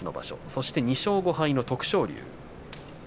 そして２勝５敗の徳勝龍。